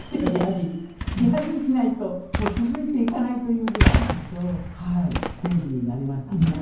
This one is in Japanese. リハビリしないと続いていかないというぐらいのステージになりましたね。